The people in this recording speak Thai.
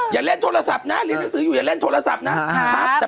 อย่าเล่นโทรศัพท์นะเรียนหนังสืออยู่อย่าเล่นโทรศัพท์นะครับ